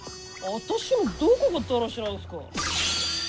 私のどこがだらしないんですか？